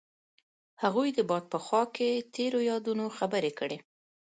هغوی د باد په خوا کې تیرو یادونو خبرې کړې.